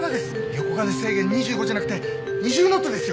横風制限２５じゃなくて２０ノットですよ！